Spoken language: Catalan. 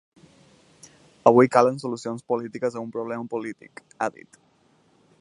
Avui calen solucions polítiques a un problema polític, ha dit.